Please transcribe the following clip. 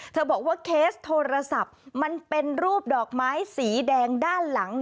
บอกว่าเคสโทรศัพท์มันเป็นรูปดอกไม้สีแดงด้านหลัง